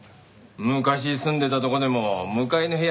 昔住んでたとこでも向かいの部屋